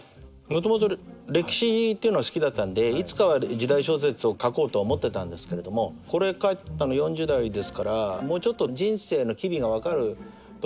もともと歴史ってのは好きだったんでいつかは時代小説を書こうとは思ってたんですけれどもこれ書いたの４０代ですからもうちょっと。